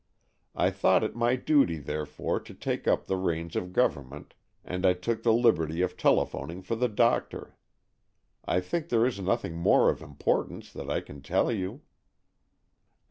I thought it my duty therefore to take up the reins of government, and I took the liberty of telephoning for the doctor. I think there is nothing more of importance that I can tell you."